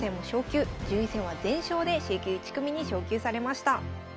順位戦は全勝でＣ級１組に昇級されました。